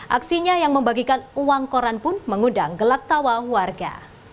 aksinya yang membagikan uang koran pun mengundang gelak tawa warga